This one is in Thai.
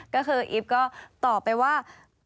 ก็คืออีฟก็ตอบไปว่า